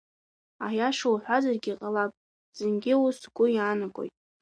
Аиаша уҳәазаргьы ҟалап, зынгьы ус сгәы иаанагоит.